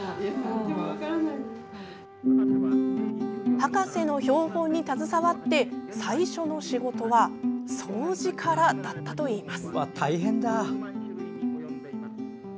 博士の標本に携わって最初の仕事は掃除からだったといいます。